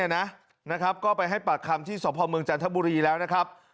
นะครับก็ไปให้ปากคำที่สพเมืองจันทบุรีแล้วนะครับ